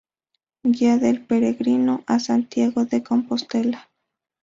Guía del Peregrino a Santiago de Compostela.